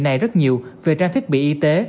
các đơn vị này rất nhiều về trang thiết bị y tế